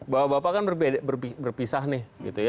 bapak kan berpisah nih